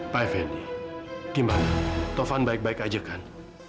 pak fendi gimana taufan baik baik aja kan